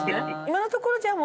今のところじゃあ